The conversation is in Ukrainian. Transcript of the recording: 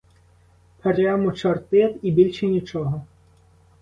Прямо чорти, і більше нічого!